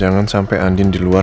jangan sampai andin di luar